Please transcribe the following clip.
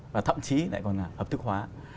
và thậm chí lại còn là hợp thức hóa